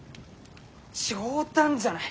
冗談じゃない！